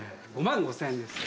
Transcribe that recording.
５万５０００円です。